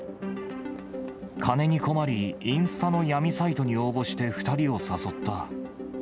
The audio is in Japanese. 金に困り、インスタの闇サイトに応募して２人を誘った。